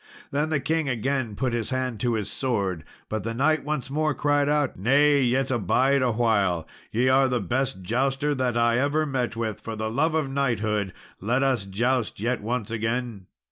Then the king again put his hand to his sword, but the knight once more cried out, "Nay, yet abide awhile; ye are the best jouster that I ever met with; for the love of knighthood, let us joust yet once again."